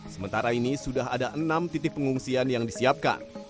sementara ini sudah ada enam titik pengungsian yang disiapkan